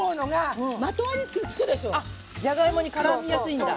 あっじゃがいもにからみやすいんだ。